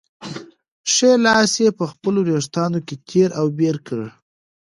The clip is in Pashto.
ښی لاس یې په خپلو وېښتانو کې تېر او بېر کړ.